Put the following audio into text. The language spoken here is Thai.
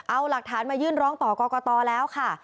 เอาหลักฐานมายื่นร้องต่อกรกตแล้วค่ะ